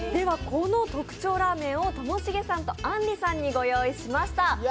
この特鳥ラーメンをともしげさんとあんりさんにご用意しました。